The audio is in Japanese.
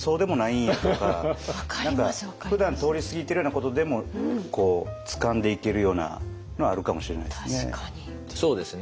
ふだん通り過ぎてるようなことでもつかんでいけるようなのはあるかもしれないですね。